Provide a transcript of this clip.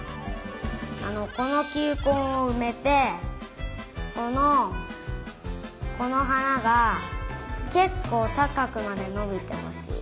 このきゅうこんをうめてこのこのはながけっこうたかくまでのびてほしい。